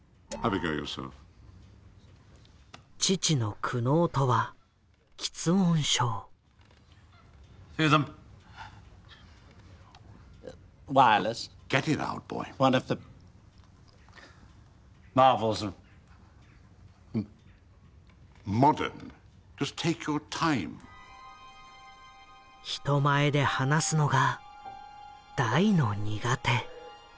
父の苦悩とは人前で話すのが大の苦手。